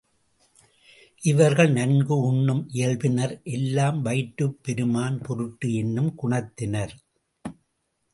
இவர்கள் நன்கு உண்ணும் இயல்பினர் எல்லாம் வயிற்றுப் பெருமான் பொருட்டு என்னும் குணத்தினர்.